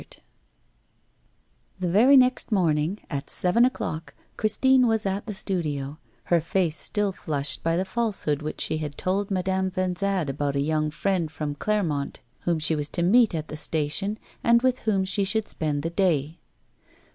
VI THE very next morning, at seven o'clock, Christine was at the studio, her face still flushed by the falsehood which she had told Madame Vanzade about a young friend from Clermont whom she was to meet at the station, and with whom she should spend the day.